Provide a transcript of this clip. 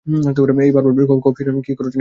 এই বারবার cough syrup নিয়ে, কী করো, জানিনা ভেবেছ?